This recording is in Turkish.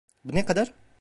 Ne kadar?